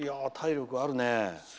体力あるね。